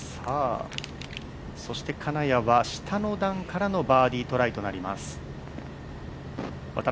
そして金谷は下の段からのバーディートライとなります。